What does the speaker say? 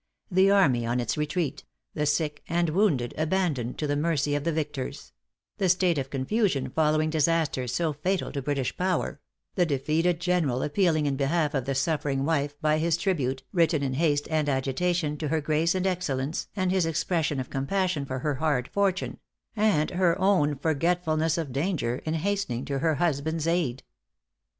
The army on its retreat the sick and wounded abandoned to the mercy of the victors the state of confusion following disasters so fatal to British power the defeated general appealing in behalf of the suffering wife, by his tribute, written in haste and agitation, to her grace and excellence, and his expression of compassion for her hard fortune and her own forgetfulness of danger, in hastening to her husband's aid!